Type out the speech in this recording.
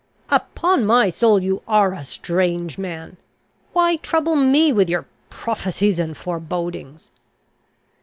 "Upon my soul, you are a strange man! Why trouble me with your prophecies and forebodings?"